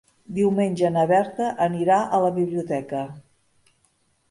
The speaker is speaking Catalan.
Diumenge na Berta anirà a la biblioteca.